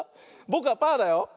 ぼくはパーだよ。